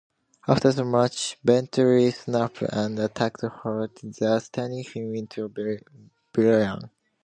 After the match, Bentley snapped and attacked Hoyt, thus turning him into a villain.